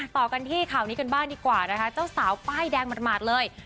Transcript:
ต่อกันที่ข่าวนี้กันบ้างดีกว่านะคะเจ้าสาวป้ายแดงหมาดเลย